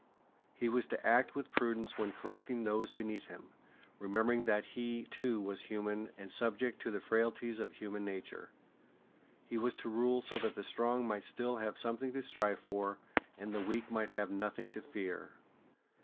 He was to act with prudence when correcting those beneath him, remembering that he, too, was human and subject to the frailties of human nature. He was to rule so that the strong might still have something to strive for, and the weak might have nothing to fear.